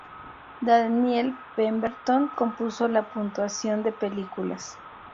Daniel Pemberton compuso la puntuación de películas.